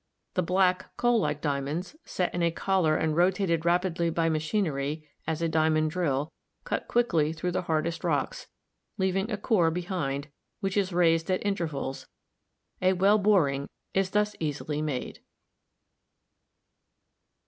The black coal like diamonds, set in a collar and rotated rap idly by machinery, as a diamond drill, cut quickly through the hardest rocks, leaving a core behind, which is raised at intervals; a well boring is thus easily made.